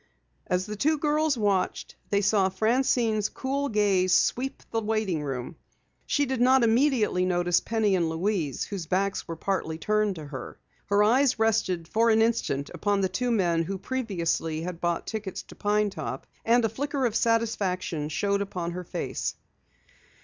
As the two girls watched, they saw Francine's cool gaze sweep the waiting room. She did not immediately notice Penny and Louise whose backs were partly turned to her. Her eyes rested for an instant upon the two men who previously had bought tickets to Pine Top, and a flicker of satisfaction showed upon her face.